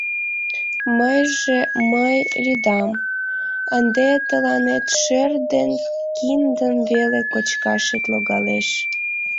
Мыйже... мый... лӱдам, ынде тыланет шӧр ден киндым веле кочкашет логалеш.